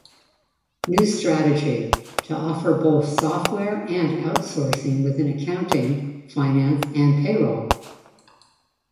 New strategy: To offer both software and outsourcing within accounting, finance and payroll.